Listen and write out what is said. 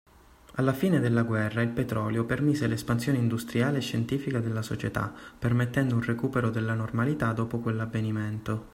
Alla fine della guerra il petrolio permise l'espansione industriale e scientifica della società permettendo un recupero della normalità dopo quell'avvenimento.